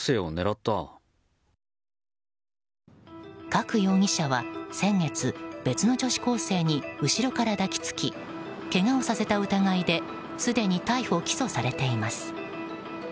加久容疑者は先月別の女子高校生に後ろから抱き付きけがをさせた疑いですでに逮捕・起訴されています。